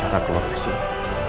saya cari cara keluar disini